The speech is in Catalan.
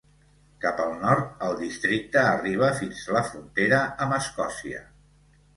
Cap al nord, el districte arriba fins la frontera amb escòcia.